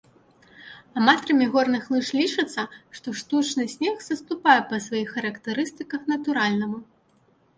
Аматарамі горных лыж лічыцца, што штучны снег саступае па сваіх характарыстыках натуральнаму.